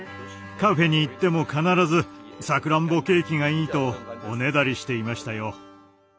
カフェに行っても必ずさくらんぼケーキがいい！とおねだりしていましたよ。